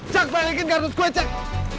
cak palikin karnus gue cak